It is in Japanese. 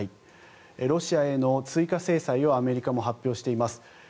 ロシアへの追加制裁をアメリカも発表しています。